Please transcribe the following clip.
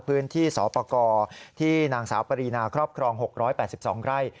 พื้นที่สอปกรที่นางสาวปรีนาครอบครอง๖๘๒ไร่